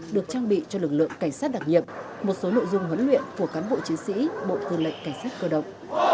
được trang bị cho lực lượng cảnh sát đặc nhiệm một số nội dung huấn luyện của cán bộ chiến sĩ bộ tư lệnh cảnh sát cơ động